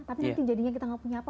tapi nanti jadinya kita gak punya apa